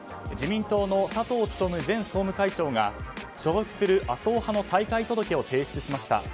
自民党の佐藤勉前総務会長が所属する麻生派の退会届を提出しました。